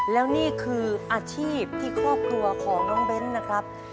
แล้วนี่คืออาชีพที่ครอบครัวของน้องเบ้นนะครับ